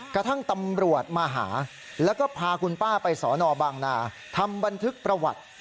กระทั่งตำรวจมาหาแล้วก็พาคุณป้าไปสอนอบางนาทำบันทึกประวัติ